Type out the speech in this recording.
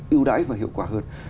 yêu đãi và hiệu quả hơn